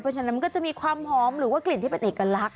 เพราะฉะนั้นมันก็จะมีความหอมหรือว่ากลิ่นที่เป็นเอกลักษณ